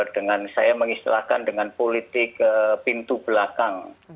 dengan saya mengistilahkan dengan politik pintu belakang